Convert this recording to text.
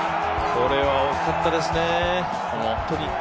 これは大きかったですね、本当に。